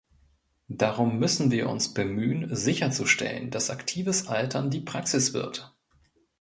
Darum müssen wir uns bemühen sicherzustellen, dass aktives Altern die Praxis wird.